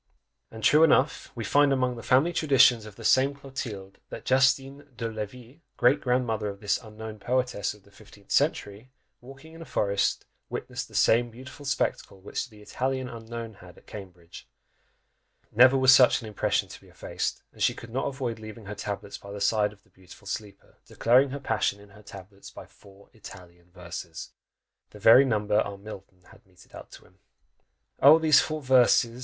And true enough we find among "the family traditions" of the same Clotilde, that Justine de Levis, great grandmother of this unknown poetess of the fifteenth century, walking in a forest, witnessed the same beautiful spectacle which the Italian Unknown had at Cambridge; never was such an impression to be effaced, and she could not avoid leaving her tablets by the side of the beautiful sleeper, declaring her passion in her tablets by four Italian verses! The very number our Milton had meted to him! Oh! these four verses!